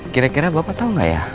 kira kira bapak tau gak ya